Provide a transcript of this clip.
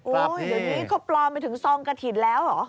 เดี๋ยวนี้เขาปลอมไปถึงซองกระถิ่นแล้วเหรอ